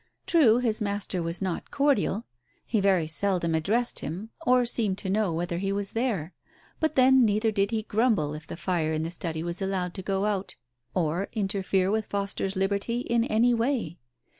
True, his master was not cordial ; he very seldom addressed him or seemed to know whether he was there, but then neither did he grumble if the fire in the study was allowed to go out, or interfere with Foster's liberty in any way.